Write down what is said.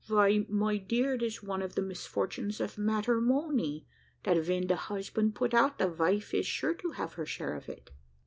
"Vy, my dear, it is one of the misfortunes of matermony, that ven the husband's put out, the vife is sure to have her share of it."